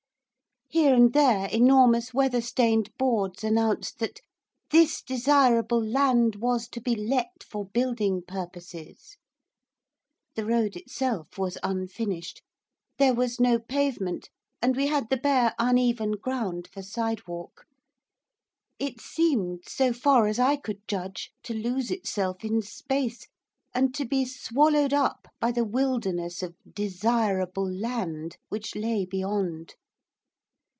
Here and there enormous weather stained boards announced that 'This Desirable Land was to be Let for Building Purposes.' The road itself was unfinished. There was no pavement, and we had the bare uneven ground for sidewalk. It seemed, so far as I could judge, to lose itself in space, and to be swallowed up by the wilderness of 'Desirable Land' which lay beyond.